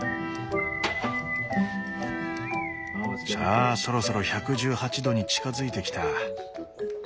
さあそろそろ１１８度に近づいてきた。